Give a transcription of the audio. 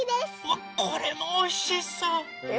わっこれもおいしそう！